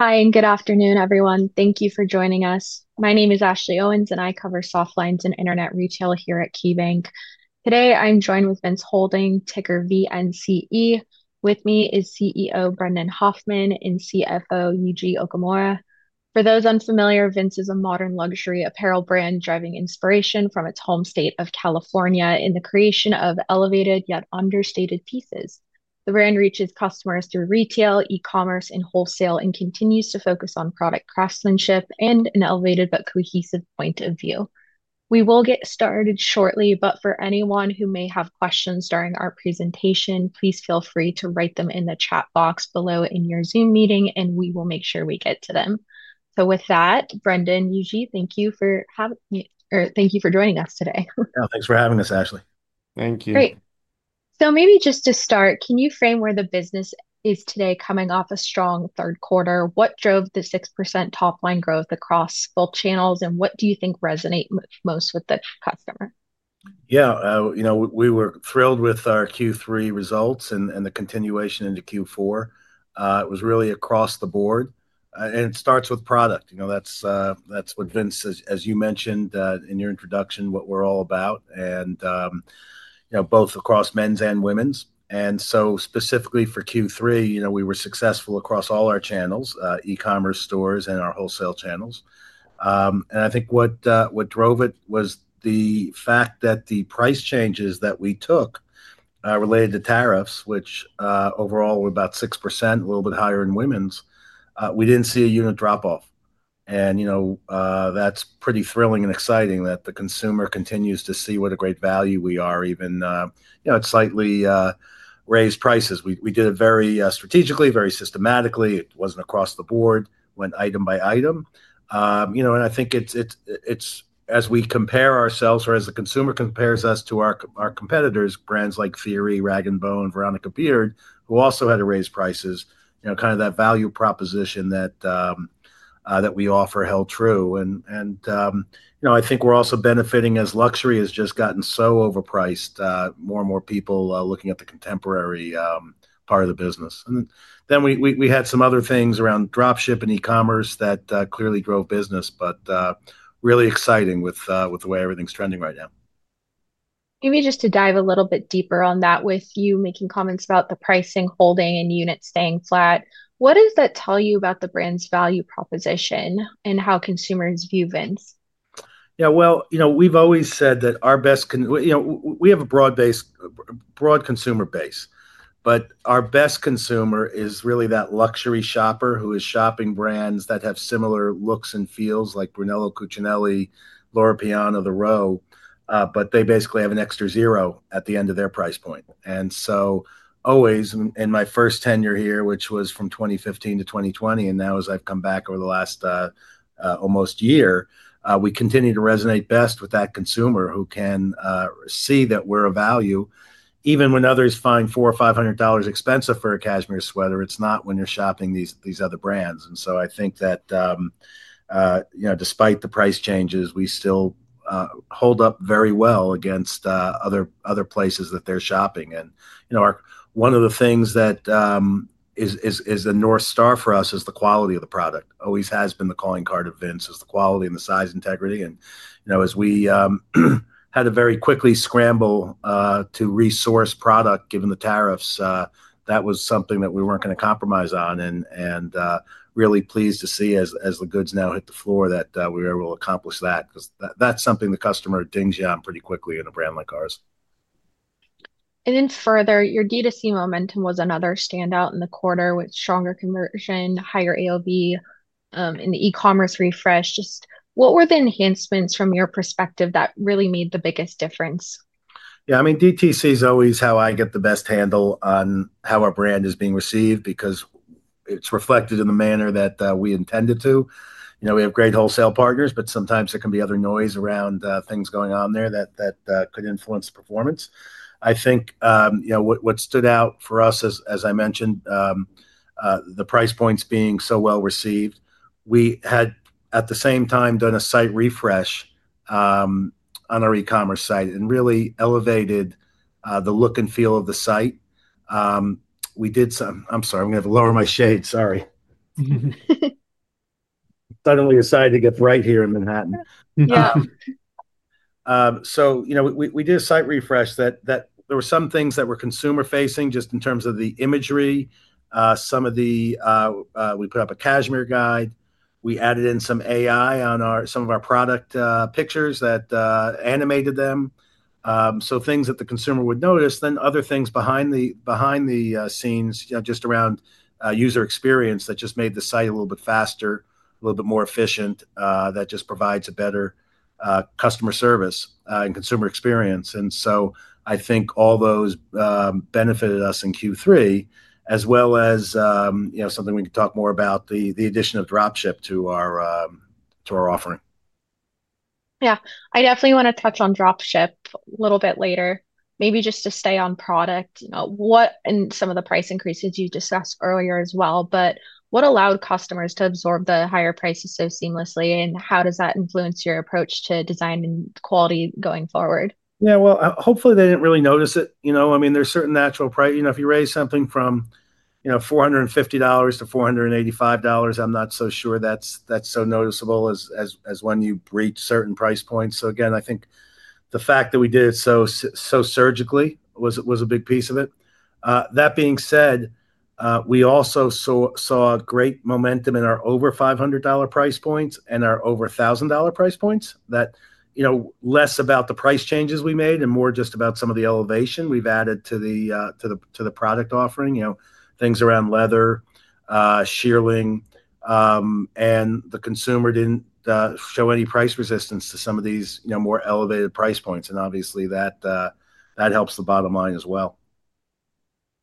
Hi, and good afternoon, everyone. Thank you for joining us. My name is Ashley Owens, and I cover soft lines and internet retail here at KeyBanc. Today, I'm joined with Vince Holding, ticker VNCE. With me is CEO Brendan Hoffman and CFO Yuji Okumura. For those unfamiliar, Vince is a modern luxury apparel brand driving inspiration from its home state of California in the creation of elevated yet understated pieces. The brand reaches customers through retail, e-commerce, and wholesale, and continues to focus on product craftsmanship and an elevated but cohesive point of view. We will get started shortly, but for anyone who may have questions during our presentation, please feel free to write them in the chat box below in your Zoom meeting, and we will make sure we get to them. So with that, Brendan, Yuji, thank you for having me or thank you for joining us today. Yeah, thanks for having us, Ashley. Thank you. Great. So maybe just to start, can you frame where the business is today coming off a strong third quarter? What drove the 6% top-line growth across both channels, and what do you think resonates most with the customer? Yeah, you know we were thrilled with our Q3 results and the continuation into Q4. It was really across the board, and it starts with product. You know that's what Vince, as you mentioned in your introduction, what we're all about, and you know both across men's and women's, and so specifically for Q3, you know we were successful across all our channels, e-commerce stores and our wholesale channels, and I think what drove it was the fact that the price changes that we took related to tariffs, which overall were about 6%, a little bit higher in women's, we didn't see a unit drop off, and you know that's pretty thrilling and exciting that the consumer continues to see what a great value we are, even you know at slightly raised prices. We did it very strategically, very systematically. It wasn't across the board. It went item by item. You know, and I think it's as we compare ourselves or as the consumer compares us to our competitors, brands like Theory, Rag & Bone, and Veronica Beard, who also had to raise prices. You know, kind of that value proposition that we offer held true. And you know, I think we're also benefiting as luxury has just gotten so overpriced, more and more people looking at the contemporary part of the business. And then we had some other things around dropship and e-commerce that clearly drove business, but really exciting with the way everything's trending right now. Maybe just to dive a little bit deeper on that with you making comments about the pricing holding and units staying flat, what does that tell you about the brand's value proposition and how consumers view Vince? Yeah, well, you know we've always said that our best, you know we have a broad consumer base, but our best consumer is really that luxury shopper who is shopping brands that have similar looks and feels like Brunello Cucinelli, Loro Piana, The Row, but they basically have an extra zero at the end of their price point. And so always in my first tenure here, which was from 2015-2020, and now as I've come back over the last almost year, we continue to resonate best with that consumer who can see that we're a value, even when others find $400 or $500 expensive for a cashmere sweater, it's not when you're shopping these other brands. And so I think that you know despite the price changes, we still hold up very well against other places that they're shopping. And you know, one of the things that is a North Star for us is the quality of the product. Always has been. The calling card of Vince is the quality and the size integrity. And you know, as we had to very quickly scramble to resource product given the tariffs, that was something that we weren't going to compromise on. And really pleased to see, as the goods now hit the floor, that we were able to accomplish that because that's something the customer dings you on pretty quickly in a brand like ours. Then further, your D2C momentum was another standout in the quarter with stronger conversion, higher AOV, and the e-commerce refresh. Just what were the enhancements from your perspective that really made the biggest difference? Yeah, I mean DTC is always how I get the best handle on how our brand is being received because it's reflected in the manner that we intended to. You know we have great wholesale partners, but sometimes there can be other noise around things going on there that could influence performance. I think you know what stood out for us, as I mentioned, the price points being so well received. We had at the same time done a site refresh on our e-commerce site and really elevated the look and feel of the site. We did some, I'm sorry, I'm going to have to lower my shades, sorry. Suddenly decided to get right here in Manhattan. Yeah. So, you know, we did a site refresh that there were some things that were consumer facing just in terms of the imagery. Some of the, we put up a cashmere guide. We added in some AI on some of our product pictures that animated them. So things that the consumer would notice, then other things behind the scenes, you know, just around user experience that just made the site a little bit faster, a little bit more efficient, that just provides a better customer service and consumer experience. And so I think all those benefited us in Q3 as well as, you know, something we can talk more about, the addition of dropship to our offering. Yeah, I definitely want to touch on dropship a little bit later, maybe just to stay on product. You know, what in some of the price increases you discussed earlier as well, but what allowed customers to absorb the higher prices so seamlessly, and how does that influence your approach to design and quality going forward? Yeah, well, hopefully they didn't really notice it. You know, I mean, there's certain natural prices. You know, if you raise something from $450-$485, I'm not so sure that's so noticeable as when you reach certain price points. So again, I think the fact that we did it so surgically was a big piece of it. That being said, we also saw great momentum in our over $500 price points and our over $1,000 price points, that, you know, less about the price changes we made and more just about some of the elevation we've added to the product offering, you know, things around leather, shearling, and the consumer didn't show any price resistance to some of these more elevated price points. And obviously that helps the bottom line as well.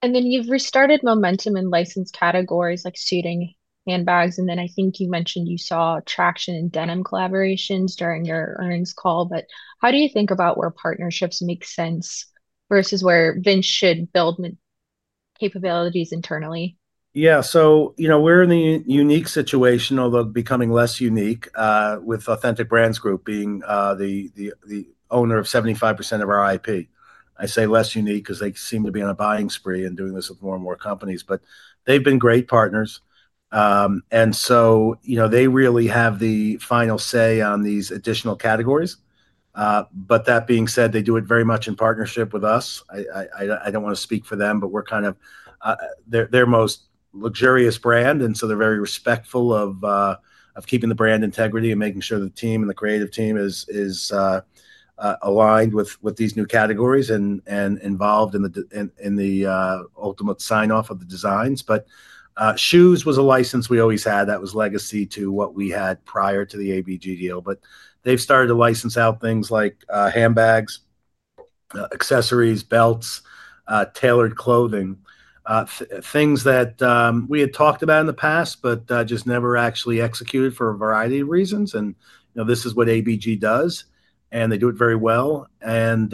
And then you've restarted momentum in licensed categories like suiting, handbags, and then I think you mentioned you saw traction in denim collaborations during your earnings call. But how do you think about where partnerships make sense versus where Vince should build capabilities internally? Yeah, so you know we're in the unique situation, although becoming less unique with Authentic Brands Group being the owner of 75% of our IP. I say less unique because they seem to be on a buying spree and doing this with more and more companies, but they've been great partners. And so you know they really have the final say on these additional categories. But that being said, they do it very much in partnership with us. I don't want to speak for them, but we're kind of their most luxurious brand, and so they're very respectful of keeping the brand integrity and making sure the team and the creative team is aligned with these new categories and involved in the ultimate sign-off of the designs. But shoes was a license we always had that was legacy to what we had prior to the ABG deal. But they've started to license out things like handbags, accessories, belts, tailored clothing, things that we had talked about in the past, but just never actually executed for a variety of reasons. And you know this is what ABG does, and they do it very well. And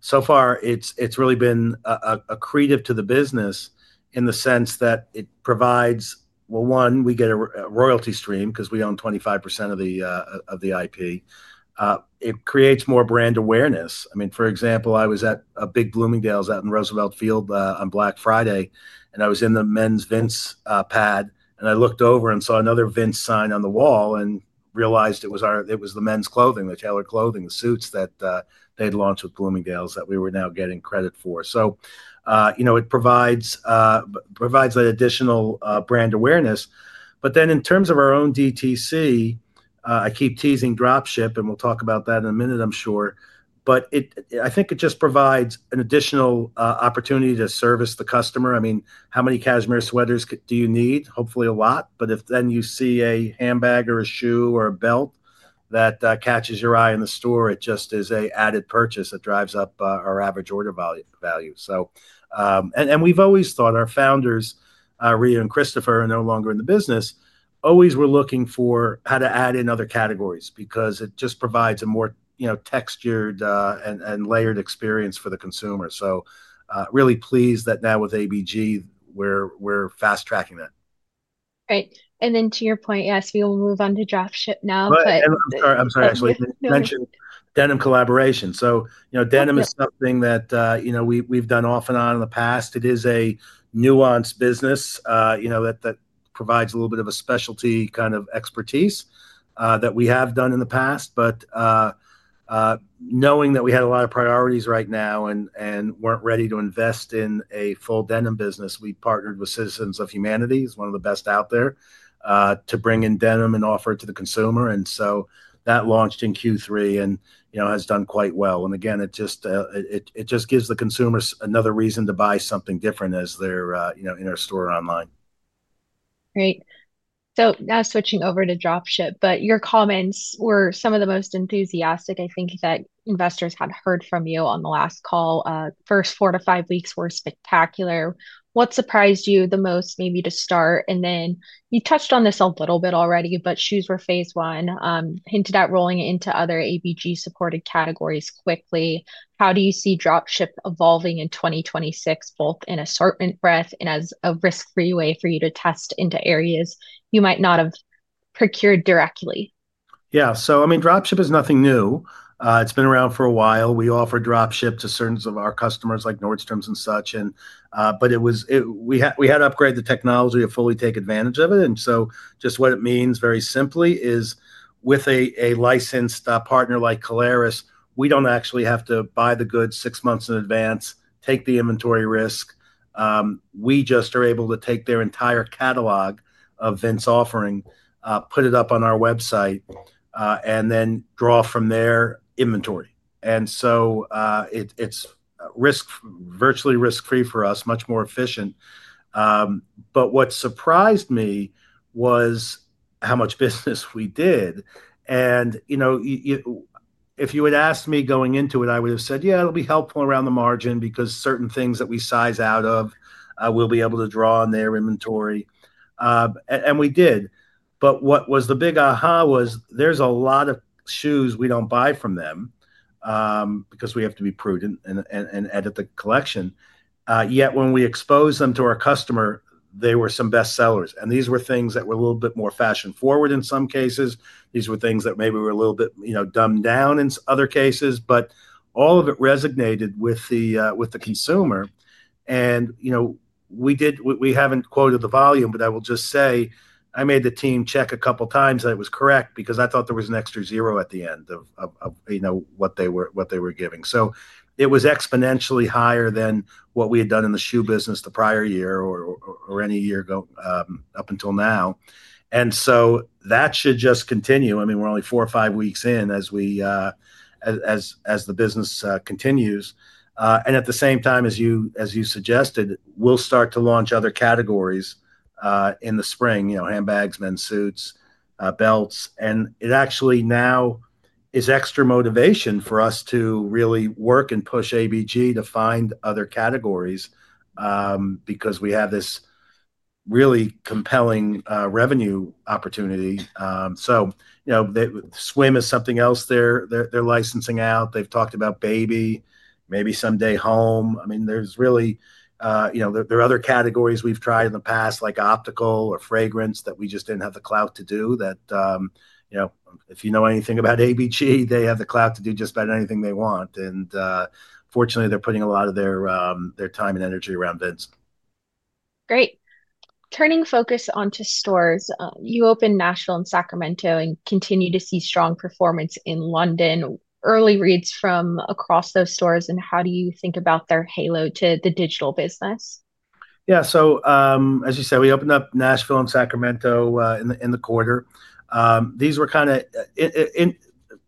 so far, it's really been accretive to the business in the sense that it provides, well, one, we get a royalty stream because we own 25% of the IP. It creates more brand awareness. I mean, for example, I was at a big Bloomingdale's out in Roosevelt Field on Black Friday, and I was in the men's Vince pad, and I looked over and saw another Vince sign on the wall and realized it was the men's clothing, the tailored clothing, the suits that they'd launched with Bloomingdale's that we were now getting credit for. So you know it provides that additional brand awareness. But then in terms of our own DTC, I keep teasing dropship, and we'll talk about that in a minute, I'm sure. But I think it just provides an additional opportunity to service the customer. I mean, how many cashmere sweaters do you need? Hopefully a lot. But if then you see a handbag or a shoe or a belt that catches your eye in the store, it just is an added purchase that drives up our average order value. So and we've always thought our founders, Rea and Christopher, are no longer in the business. Always we're looking for how to add in other categories because it just provides a more textured and layered experience for the consumer. So really pleased that now with ABG, we're fast-tracking that. Great. And then, to your point, yes, we will move on to dropship now, but. Right. And I'm sorry, Ashley, mentioned denim collaboration, so you know, denim is something that, you know, we've done off and on in the past. It is a nuanced business, you know, that provides a little bit of a specialty kind of expertise that we have done in the past. But knowing that we had a lot of priorities right now and weren't ready to invest in a full denim business, we partnered with Citizens of Humanity, one of the best out there, to bring in denim and offer it to the consumer. And so that launched in Q3 and, you know, has done quite well. And again, it just gives the consumers another reason to buy something different as they're in our store online. Great, so now switching over to dropship, but your comments were some of the most enthusiastic, I think, that investors had heard from you on the last call. First four to five weeks were spectacular. What surprised you the most maybe to start? And then you touched on this a little bit already, but shoes were Phase I, hinted at rolling into other ABG-supported categories quickly. How do you see dropship evolving in 2026, both in assortment breadth and as a risk-free way for you to test into areas you might not have procured directly? Yeah, so I mean dropship is nothing new. It's been around for a while. We offer dropship to certain of our customers like Nordstrom's and such, and but it was we had to upgrade the technology to fully take advantage of it, and so just what it means very simply is with a licensed partner like Caleres, we don't actually have to buy the goods six months in advance, take the inventory risk. We just are able to take their entire catalog of Vince offering, put it up on our website, and then draw from their inventory, and so it's virtually risk-free for us, much more efficient. But what surprised me was how much business we did. You know if you had asked me going into it, I would have said, yeah, it'll be helpful around the margin because certain things that we size out of, we'll be able to draw on their inventory. And we did. But what was the big aha was there's a lot of shoes we don't buy from them because we have to be prudent and edit the collection. Yet when we exposed them to our customer, they were some best sellers. And these were things that were a little bit more fashion-forward in some cases. These were things that maybe were a little bit dumbed down in other cases, but all of it resonated with the consumer. And you know we haven't quoted the volume, but I will just say I made the team check a couple of times that it was correct because I thought there was an extra zero at the end of what they were giving. So it was exponentially higher than what we had done in the shoe business the prior year or any year up until now. And so that should just continue. I mean, we're only four or five weeks in as the business continues. And at the same time, as you suggested, we'll start to launch other categories in the spring, you know, handbags, men's suits, belts. And it actually now is extra motivation for us to really work and push ABG to find other categories because we have this really compelling revenue opportunity. So you know Swim is something else they're licensing out. They've talked about Baby, maybe someday Home. I mean, there's really, you know, there are other categories we've tried in the past, like Optical or Fragrance, that we just didn't have the clout to do that, you know, if you know anything about ABG. They have the clout to do just about anything they want, and fortunately, they're putting a lot of their time and energy around Vince. Great. Turning focus onto stores, you opened Nashville and Sacramento and continue to see strong performance in London. Early reads from across those stores, and how do you think about their halo to the digital business? Yeah, so as you said, we opened up Nashville and Sacramento in the quarter. These were kind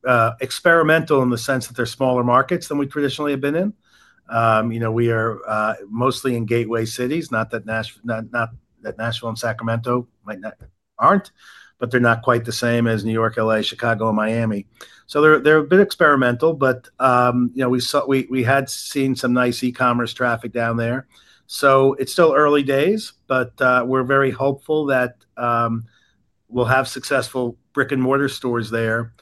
of experimental in the sense that they're smaller markets than we traditionally have been in. You know we are mostly in gateway cities, not that Nashville and Sacramento aren't, but they're not quite the same as New York, LA, Chicago, and Miami. So they're a bit experimental, but you know we had seen some nice e-commerce traffic down there. So it's still early days, but we're very hopeful that we'll have successful brick-and-mortar stores there.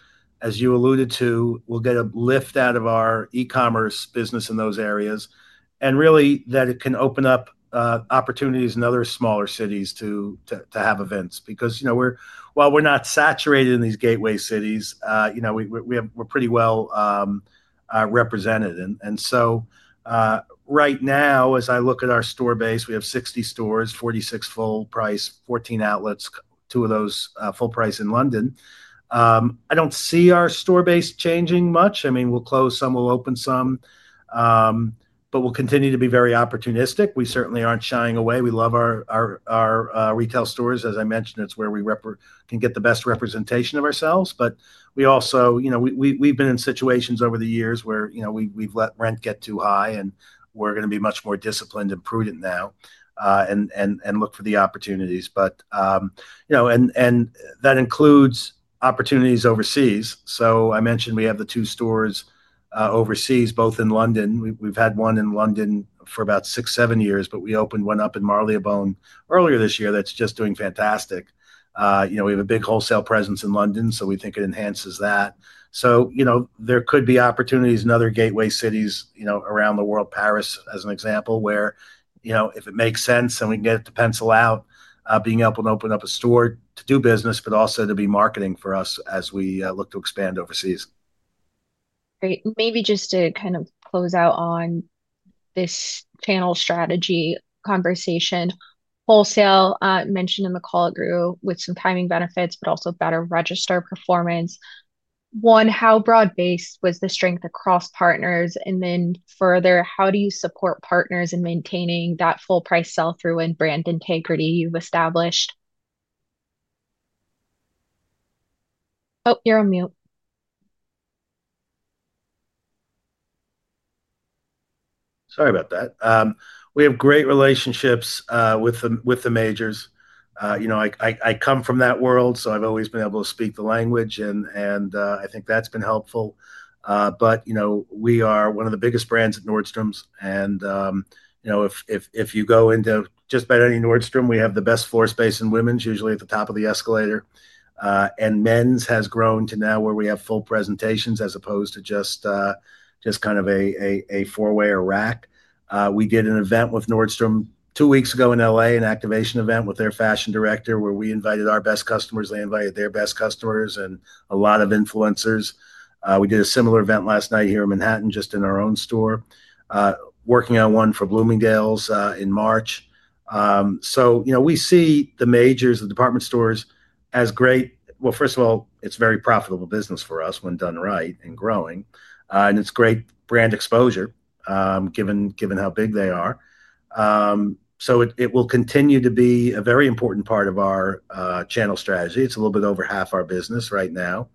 As you alluded to, we'll get a lift out of our e-commerce business in those areas and really that it can open up opportunities in other smaller cities to have events because you know while we're not saturated in these gateway cities, you know we're pretty well represented. Right now, as I look at our store base, we have 60 stores, 46 full price, 14 outlets, two of those full price in London. I don't see our store base changing much. I mean, we'll close some, we'll open some, but we'll continue to be very opportunistic. We certainly aren't shying away. We love our retail stores. As I mentioned, it's where we can get the best representation of ourselves. We also, you know we've been in situations over the years where you know we've let rent get too high and we're going to be much more disciplined and prudent now and look for the opportunities. You know, and that includes opportunities overseas. I mentioned we have the two stores overseas, both in London. We've had one in London for about six, seven years, but we opened one up in Marylebone earlier this year that's just doing fantastic. You know we have a big wholesale presence in London, so we think it enhances that. So you know there could be opportunities in other gateway cities you know around the world, Paris as an example, where you know if it makes sense and we can get it to pencil out, being able to open up a store to do business, but also to be marketing for us as we look to expand overseas. Great. Maybe just to kind of close out on this channel strategy conversation, wholesale mentioned in the call grew with some timing benefits, but also better register performance. One, how broad-based was the strength across partners? And then further, how do you support partners in maintaining that full-price sell-through and brand integrity you've established? Oh, you're on mute. Sorry about that. We have great relationships with the majors. You know I come from that world, so I've always been able to speak the language, and I think that's been helpful, but you know we are one of the biggest brands at Nordstrom's, and you know if you go into just about any Nordstrom, we have the best floor space in women's, usually at the top of the escalator, and men's has grown to now where we have full presentations as opposed to just kind of a four-way or rack. We did an event with Nordstrom two weeks ago in LA, an activation event with their fashion director where we invited our best customers, they invited their best customers, and a lot of influencers. We did a similar event last night here in Manhattan just in our own store, working on one for Bloomingdale's in March. So, you know, we see the majors, the department stores as great. Well, first of all, it's very profitable business for us when done right and growing. And it's great brand exposure given how big they are. So it will continue to be a very important part of our channel strategy. It's a little bit over half our business right now.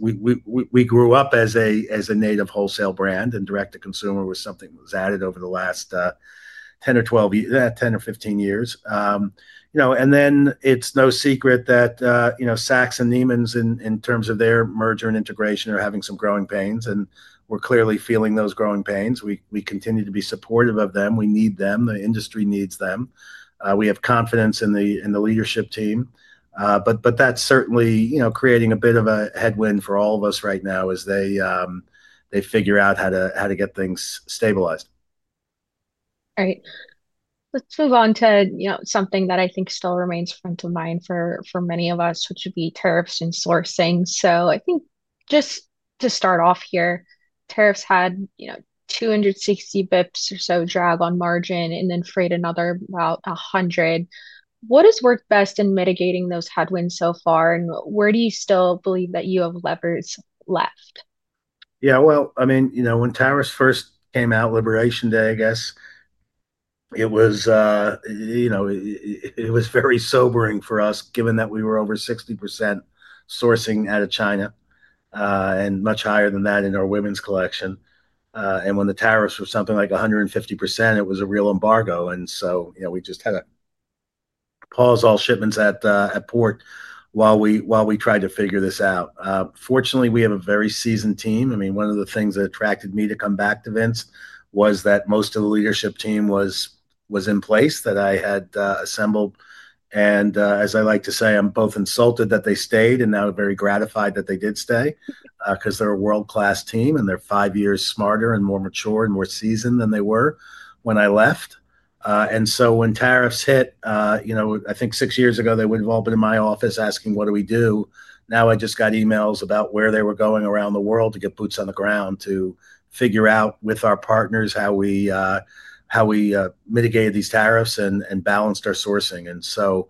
We grew up as a native wholesale brand, and direct-to-consumer was something that was added over the last 10 or 12, 10 or 15 years. You know, and then it's no secret that you know Saks and Neiman Marcus, in terms of their merger and integration, are having some growing pains, and we're clearly feeling those growing pains. We continue to be supportive of them. We need them. The industry needs them. We have confidence in the leadership team. But that's certainly creating a bit of a headwind for all of us right now as they figure out how to get things stabilized. All right. Let's move on to something that I think still remains front of mind for many of us, which would be tariffs and sourcing. So I think just to start off here, tariffs had 260 basis points or so drag on margin and then freight another about 100. What has worked best in mitigating those headwinds so far, and where do you still believe that you have levers left? Yeah, well, I mean, you know when tariffs first came out, Liberation Day, I guess, it was very sobering for us given that we were over 60% sourcing out of China and much higher than that in our women's collection. And when the tariffs were something like 150%, it was a real embargo. And so you know we just had to pause all shipments at port while we tried to figure this out. Fortunately, we have a very seasoned team. I mean, one of the things that attracted me to come back to Vince was that most of the leadership team was in place that I had assembled. And as I like to say, I'm both insulted that they stayed and now very gratified that they did stay because they're a world-class team and they're five years smarter and more mature and more seasoned than they were when I left. And so when tariffs hit, you know, I think six years ago, they would have all been in my office asking, "What do we do?" Now I just got emails about where they were going around the world to get boots on the ground to figure out with our partners how we mitigated these tariffs and balanced our sourcing. And so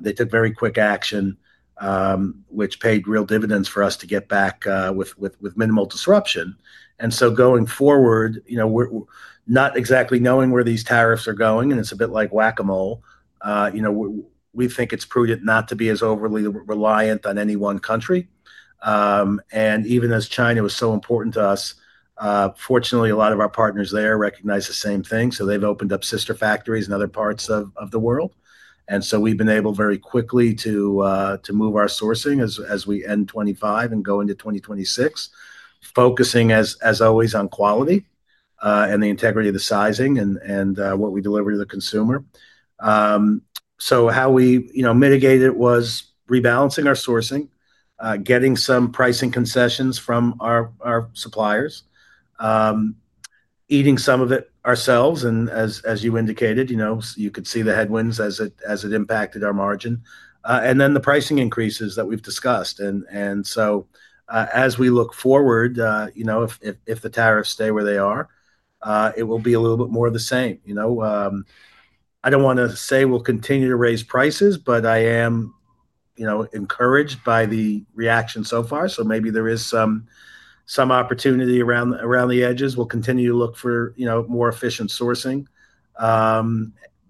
they took very quick action, which paid real dividends for us to get back with minimal disruption. And so going forward, you know, not exactly knowing where these tariffs are going, and it's a bit like Whack-A-Mole, you know, we think it's prudent not to be as overly reliant on any one country. And even as China was so important to us, fortunately, a lot of our partners there recognize the same thing. So they've opened up sister factories in other parts of the world. And so we've been able very quickly to move our sourcing as we end 2025 and go into 2026, focusing as always on quality and the integrity of the sizing and what we deliver to the consumer. So how we mitigated it was rebalancing our sourcing, getting some pricing concessions from our suppliers, eating some of it ourselves. And as you indicated, you could see the headwinds as it impacted our margin. And then the pricing increases that we've discussed. And so as we look forward, you know if the tariffs stay where they are, it will be a little bit more of the same. You know I don't want to say we'll continue to raise prices, but I am you know encouraged by the reaction so far. So maybe there is some opportunity around the edges. We'll continue to look for you know more efficient sourcing.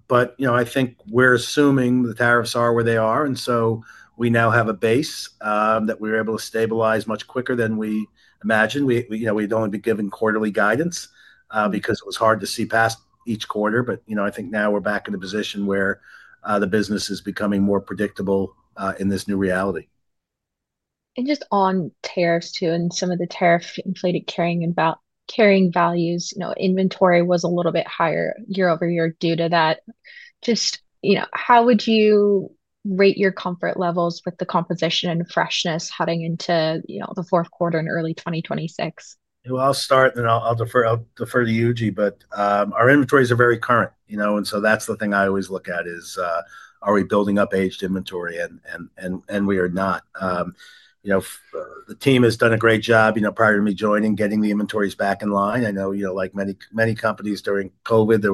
But you know I think we're assuming the tariffs are where they are. And so we now have a base that we were able to stabilize much quicker than we imagined. We'd only be given quarterly guidance because it was hard to see past each quarter. But you know I think now we're back in a position where the business is becoming more predictable in this new reality. Just on tariffs too, and some of the tariff-inflated carrying values, you know inventory was a little bit higher year over year due to that. Just you know how would you rate your comfort levels with the composition and freshness heading into the fourth quarter and early 2026? I'll start and I'll defer to Yuji, but our inventories are very current. You know and so that's the thing I always look at is, are we building up aged inventory? And we are not. You know the team has done a great job you know prior to me joining, getting the inventories back in line. I know you know like many companies during COVID, there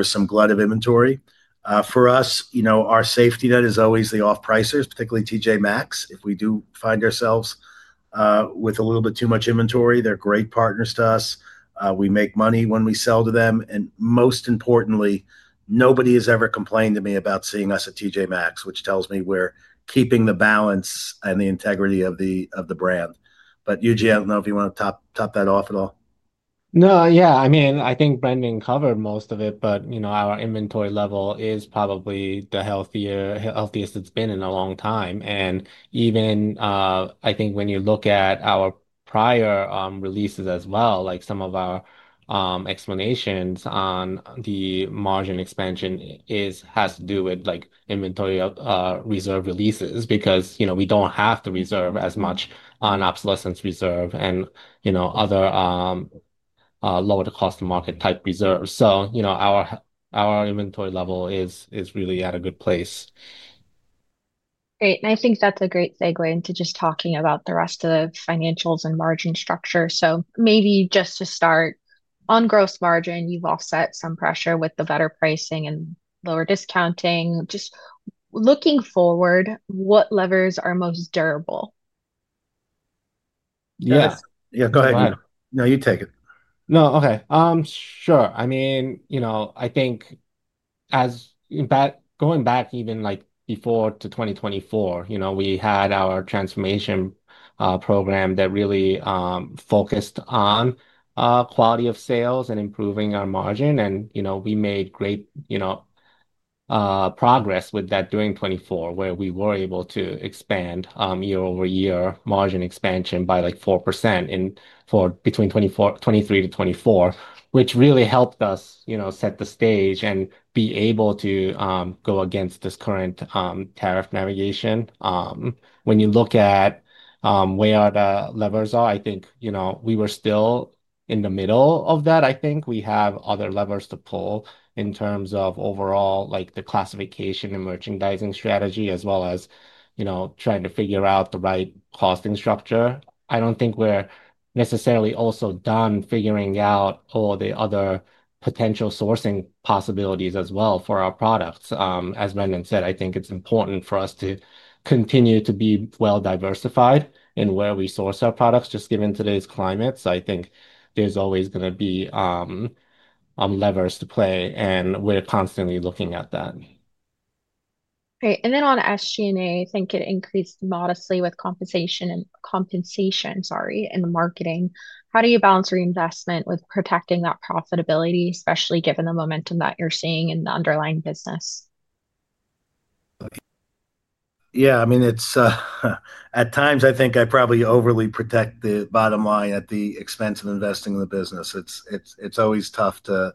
was some glut of inventory. For us, you know our safety net is always the off-pricers, particularly TJ Maxx. If we do find ourselves with a little bit too much inventory, they're great partners to us. We make money when we sell to them. And most importantly, nobody has ever complained to me about seeing us at TJ Maxx, which tells me we're keeping the balance and the integrity of the brand. But Yuji, I don't know if you want to top that off at all. No, yeah. I mean, I think Brendan covered most of it, but you know our inventory level is probably the healthiest it's been in a long time, and even I think when you look at our prior releases as well, like some of our explanations on the margin expansion has to do with like inventory reserve releases because you know we don't have to reserve as much on obsolescence reserve and you know other lower-to-cost-to-market type reserves, so you know our inventory level is really at a good place. Great. And I think that's a great segue into just talking about the rest of the financials and margin structure. So maybe just to start, on gross margin, you've offset some pressure with the better pricing and lower discounting. Just looking forward, what levers are most durable? Yes. Yeah, go ahead. No, you take it. No, okay. Sure. I mean, you know I think as going back even like before to 2024, you know we had our transformation program that really focused on quality of sales and improving our margin. And you know we made great you know progress with that during 2024, where we were able to expand year-over-year margin expansion by like 4% between 2023-2024, which really helped us you know set the stage and be able to go against this current tariff navigation. When you look at where the levers are, I think you know we were still in the middle of that. I think we have other levers to pull in terms of overall like the classification and merchandising strategy, as well as you know trying to figure out the right costing structure. I don't think we're necessarily also done figuring out all the other potential sourcing possibilities as well for our products. As Brendan said, I think it's important for us to continue to be well-diversified in where we source our products, just given today's climate. So I think there's always going to be levers to play, and we're constantly looking at that. Great. And then on SG&A, I think it increased modestly with compensation, sorry, in the marketing. How do you balance reinvestment with protecting that profitability, especially given the momentum that you're seeing in the underlying business? Yeah, I mean, it's at times, I think I probably overly protect the bottom line at the expense of investing in the business. It's always tough to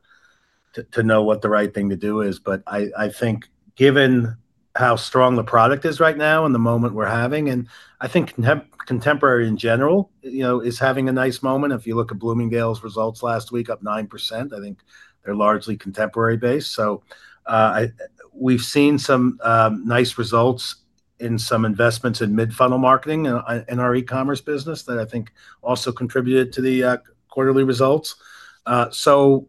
know what the right thing to do is. But I think given how strong the product is right now and the moment we're having, and I think contemporary in general is having a nice moment. If you look at Bloomingdale's results last week, up 9%, I think they're largely contemporary-based. So we've seen some nice results in some investments in mid-funnel marketing in our e-commerce business that I think also contributed to the quarterly results. So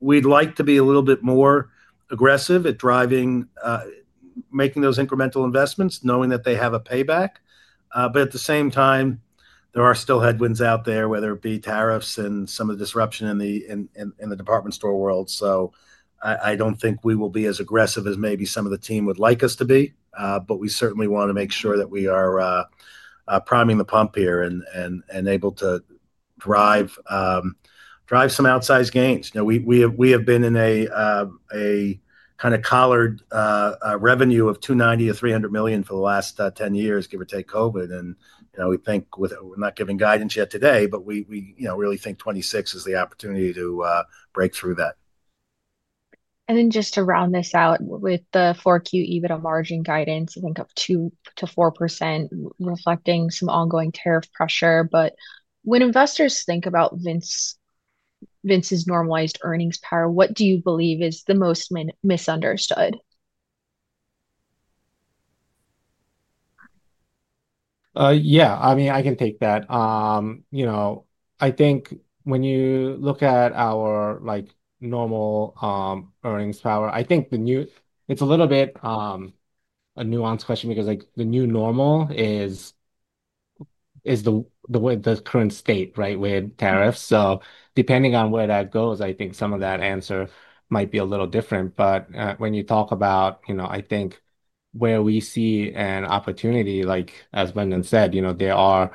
we'd like to be a little bit more aggressive at making those incremental investments, knowing that they have a payback. But at the same time, there are still headwinds out there, whether it be tariffs and some of the disruption in the department store world. So I don't think we will be as aggressive as maybe some of the team would like us to be. But we certainly want to make sure that we are priming the pump here and able to drive some outsized gains. We have been in a kind of collared revenue of $290-$300 million for the last 10 years, give or take COVID. And we think we're not giving guidance yet today, but we really think 2026 is the opportunity to break through that. And then just to round this out with the 4Q EBITDA margin guidance, I think up 2%-4%, reflecting some ongoing tariff pressure. But when investors think about Vince's normalized earnings power, what do you believe is the most misunderstood? Yeah, I mean, I can take that. You know I think when you look at our normal earnings power, I think it's a little bit a nuanced question because the new normal is the current state, right, with tariffs. So depending on where that goes, I think some of that answer might be a little different. But when you talk about, you know I think where we see an opportunity, like as Brendan said, you know there are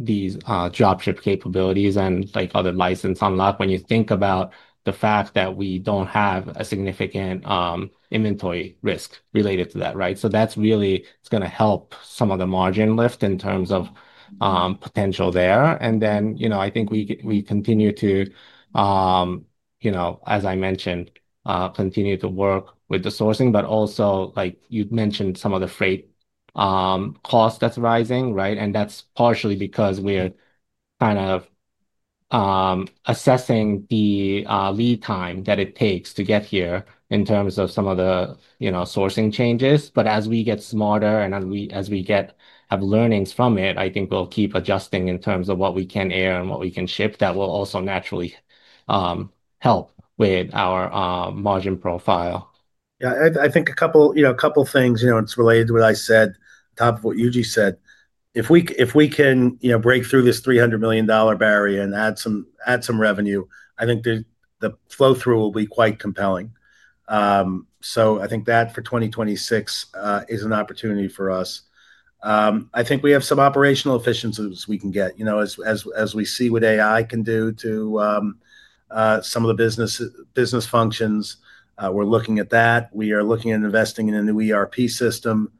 these dropship capabilities and other license unlock when you think about the fact that we don't have a significant inventory risk related to that, right? So that's really going to help some of the margin lift in terms of potential there. And then you know I think we continue to, you know as I mentioned, continue to work with the sourcing, but also, like you mentioned, some of the freight cost that's rising, right? And that's partially because we're kind of assessing the lead time that it takes to get here in terms of some of the sourcing changes. But as we get smarter and as we get learnings from it, I think we'll keep adjusting in terms of what we can air and what we can ship that will also naturally help with our margin profile. Yeah, I think a couple of things, you know it's related to what I said, top of what Yuji said. If we can break through this $300 million barrier and add some revenue, I think the flow-through will be quite compelling. So I think that for 2026 is an opportunity for us. I think we have some operational efficiencies we can get. You know as we see what AI can do to some of the business functions, we're looking at that. We are looking at investing in a new ERP system.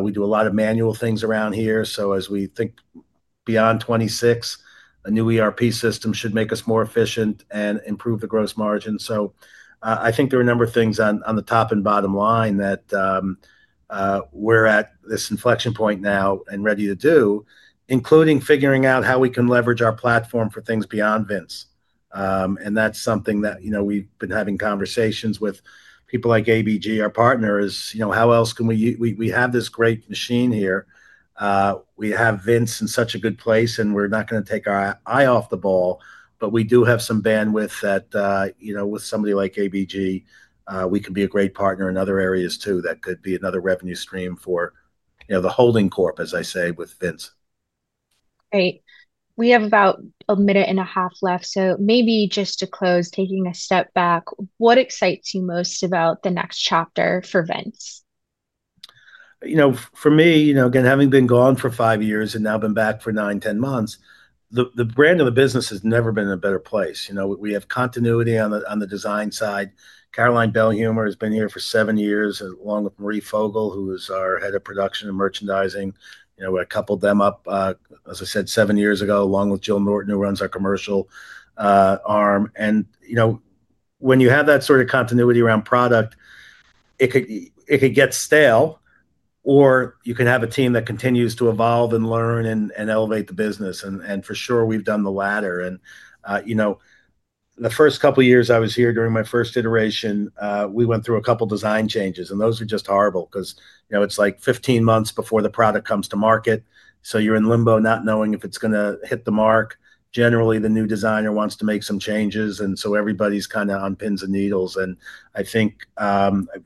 We do a lot of manual things around here. So as we think beyond 2026, a new ERP system should make us more efficient and improve the gross margin. So, I think there are a number of things on the top and bottom line that we're at this inflection point now and ready to do, including figuring out how we can leverage our platform for things beyond Vince. And that's something that, you know, we've been having conversations with people like ABG, our partners. You know, how else can we have this great machine here. We have Vince in such a good place, and we're not going to take our eye off the ball. But we do have some bandwidth that, you know, with somebody like ABG, we can be a great partner in other areas too. That could be another revenue stream for the holding corp, as I say, with Vince. Great. We have about a minute and a half left. So maybe just to close, taking a step back, what excites you most about the next chapter for Vince? You know for me, you know again, having been gone for five years and now been back for nine, 10 months, the brand of the business has never been in a better place. You know we have continuity on the design side. Caroline Belhumeur has been here for seven years along with Marie Fogel, who is our head of production and merchandising. You know we coupled them up, as I said, seven years ago, along with Jill Norton, who runs our commercial arm, and you know when you have that sort of continuity around product, it could get stale, or you can have a team that continues to evolve and learn and elevate the business, and for sure, we've done the latter, and you know the first couple of years I was here during my first iteration, we went through a couple of design changes. And those are just horrible because you know it's like 15 months before the product comes to market. So you're in limbo not knowing if it's going to hit the mark. Generally, the new designer wants to make some changes. And so everybody's kind of on pins and needles. And I think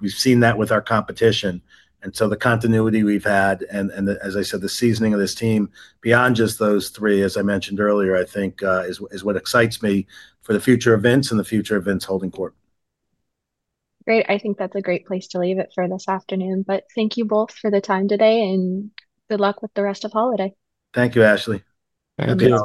we've seen that with our competition. And so the continuity we've had, and as I said, the seasoning of this team, beyond just those three, as I mentioned earlier, I think is what excites me for the future of Vince and the future of Vince Holding Corp. Great. I think that's a great place to leave it for this afternoon. But thank you both for the time today, and good luck with the rest of holiday. Thank you, Ashley. Thank you.